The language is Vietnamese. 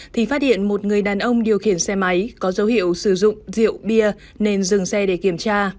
thì phát hiện một người đàn ông điều khiển xe máy có dấu hiệu sử dụng rượu bia nên dừng xe để kiểm tra